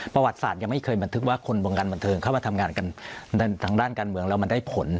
ประวัติศาสตร์ยังไม่เคยบันทึกว่าคนวงการบันเทิงเข้ามาทำงานกันทางด้านการเมืองแล้วมันได้ผล